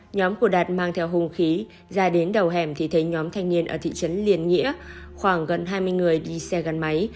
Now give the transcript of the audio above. nhóm của đạt mang theo hùng khí ra đến đầu hẻm thì thấy nhóm thanh niên ở thị trấn liên nghĩa khoảng gần hai mươi người đi xe gắn máy